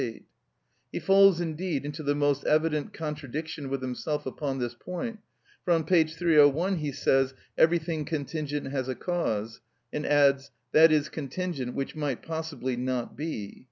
He falls indeed into the most evident contradiction with himself upon this point, for on p. 301 he says: "Everything contingent has a cause," and adds, "That is contingent which might possibly not be."